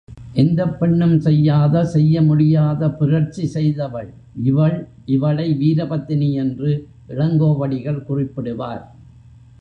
எந்தப் பெண்ணும் செய்யாத, செய்ய முடியாத புரட்சி செய்தவள் இவள் இவளை வீரபத்தினி என்று இளங்கோவடிகள் குறிப்பிடுவார்.